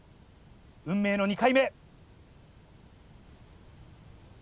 運命の２回目。